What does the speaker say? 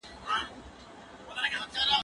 کېدای سي خبري اوږدې وي!.